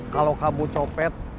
kalau kamu copet